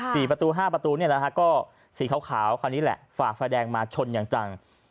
สี่ประตูห้าประตูเนี่ยนะฮะก็สีขาวขาวคันนี้แหละฝ่าไฟแดงมาชนอย่างจัง